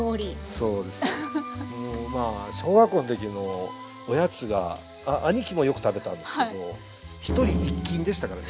そうです。小学校の時のおやつが兄貴もよく食べたんですけど１人１斤でしたからね